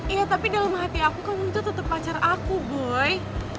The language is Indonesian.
iya tapi dalam hati aku kamu itu tetap pacar aku boy